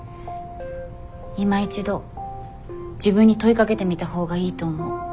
いま一度自分に問いかけてみたほうがいいと思う。